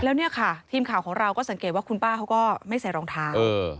แล้วเนี่ยค่ะทีมข่าวของเราก็สังเกตว่าคุณป้าเขาก็ไม่ใส่รองเท้า